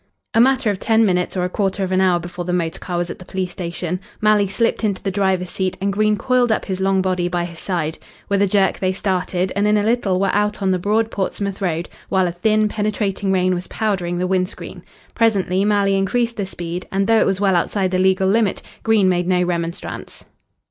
A matter of ten minutes or a quarter of an hour before the motor car was at the police station. Malley slipped into the driver's seat, and Green coiled up his long body by his side. With a jerk they started, and in a little were out on the broad Portsmouth road, while a thin, penetrating rain was powdering the windscreen. Presently Malley increased the speed and, though it was well outside the legal limit, Green made no remonstrance.